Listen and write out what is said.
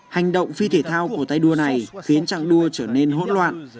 hành động phi thể thao của tay đua này khiến trạng đua trở nên hỗn loạn